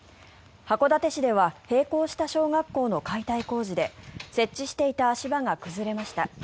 函館市では閉校した小学校の解体工事で設置していた足場が崩れました。